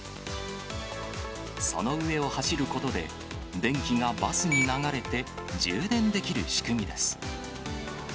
その上を走ることで、電気がバスに流れて、充電できる仕組みです。